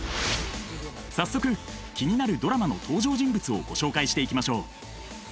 早速気になるドラマの登場人物をご紹介していきましょう！